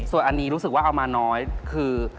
ส่วนอันนี้รู้สึกว่าเอามาน้อยคือ